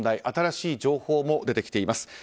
新しい情報も出てきています。